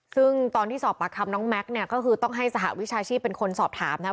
ซึ่งตอนที่สอบปากคำน้องแม็กซ์เนี่ยก็คือต้องให้สหวิชาชีพเป็นคนสอบถามนะครับ